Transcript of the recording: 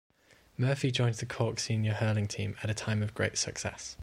Murphy joined the Cork senior hurling team at a time of great success.